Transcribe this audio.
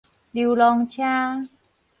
溜籠車